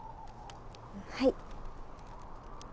はい